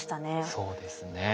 そうですね。